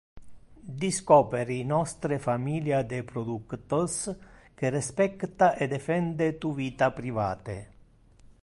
Discoperi nostre familia de productos que respecta e defende tu vita private.